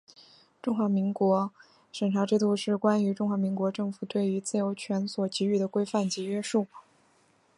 中华民国审查制度是关于中华民国政府对于自由权所给予的规范及约束。